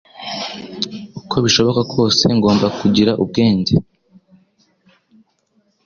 uko bishoboka kose. Ngomba kugira ubwenge